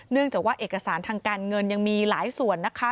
จากว่าเอกสารทางการเงินยังมีหลายส่วนนะคะ